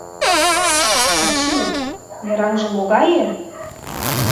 — Ачий, мераҥже могае?